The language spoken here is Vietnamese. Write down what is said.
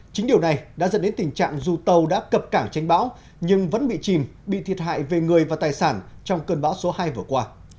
chính điều này đã dẫn đến tình trạng dù tàu đã cập cảng tránh bão nhưng vẫn bị chìm bị thiệt hại về người và tài sản trong cơn bão số hai vừa qua